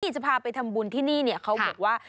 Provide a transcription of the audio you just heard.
จะพาไปทำบุญที่นี่เนี่ยเขาบอกว่า